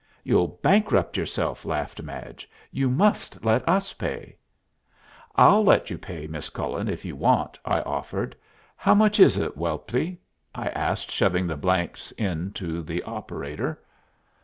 "You'll bankrupt yourself," laughed Madge. "You must let us pay." "I'll let you pay, Miss Cullen, if you want," I offered. "How much is it, Welply?" I asked, shoving the blanks in to the operator.